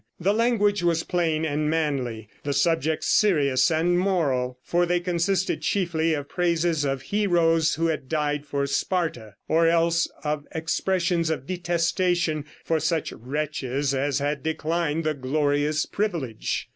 The language was plain and manly; the subject serious and moral. For they consisted chiefly of praises of heroes who had died for Sparta, or else of expressions of detestation for such wretches as had declined the glorious privilege."